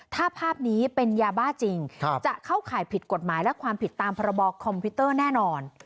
ถ้าภาพนี้เป็นยาบ้าจริงจะเข้าข่ายผิดกฎหมายและความผิดตามพรบคอมพิวเตอร์แน่นอน